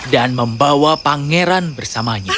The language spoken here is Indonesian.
dan membawa pangeran bersamanya